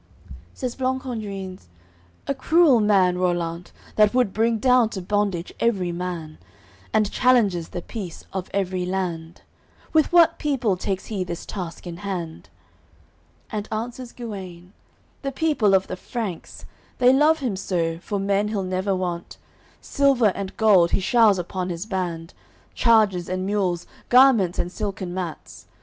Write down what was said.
AOI. XXX Says Blancandrins: "A cruel man, Rollant, That would bring down to bondage every man, And challenges the peace of every land. With what people takes he this task in hand?" And answers Guene: "The people of the Franks; They love him so, for men he'll never want. Silver and gold he show'rs upon his band, Chargers and mules, garments and silken mats.